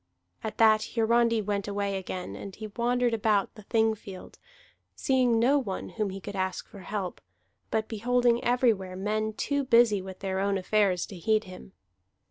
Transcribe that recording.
At that Hiarandi went away again; and he wandered about the Thing field, seeing no one whom he could ask for help, but beholding everywhere men too busy with their own affairs to heed him.